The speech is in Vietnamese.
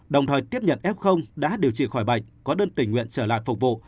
đồng thời tiếp nhận f đã điều trị khỏi bệnh có đơn tình nguyện trở lại phục vụ